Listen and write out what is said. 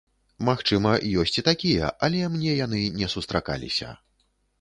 Магчыма, ёсць і такія, але мне яны не сустракаліся.